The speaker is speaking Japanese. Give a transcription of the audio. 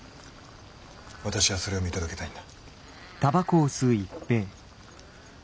私はそれを見届けたいんだ。